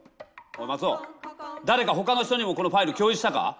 マツオだれかほかの人にもこのファイル共有したか？